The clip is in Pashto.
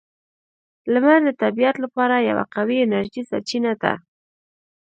• لمر د طبیعت لپاره یوه قوی انرژي سرچینه ده.